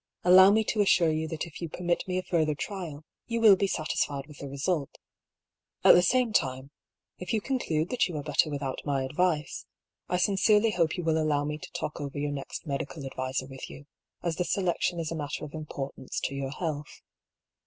Allow me to assure you that if you permit me a further trial, you will be satisfied with the result. At the same time, if you conclude that you are better without my advice, I sincerely hope you will allow me to talk over your next medical adviser with you, as the selection is a matter of impor tance to your health.